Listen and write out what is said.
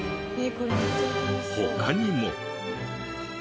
他にも。